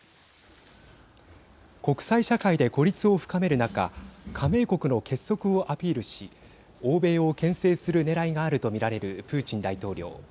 国際社会で孤立を深める中加盟国の結束をアピールし欧米を、けん制するねらいがあるとみられるプーチン大統領。